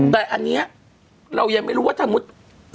แต่อันนี้เรายังไม่รู้ว่าถ้ามุติ